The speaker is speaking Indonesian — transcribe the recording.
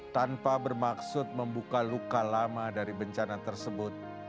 tanpa bermaksud membuka luka lama dari bencana tersebut